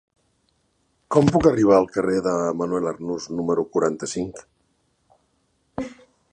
Com puc arribar al carrer de Manuel Arnús número quaranta-cinc?